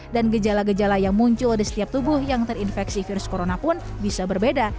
dan gejala gejala yang muncul di setiap tubuh yang terinfeksi virus corona pun bisa berbeda